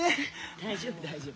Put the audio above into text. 大丈夫大丈夫。